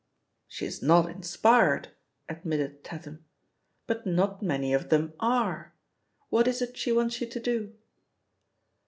*' "She's not inspired," admitted Tatham, "but not many of them are. What is it she wants you to do?"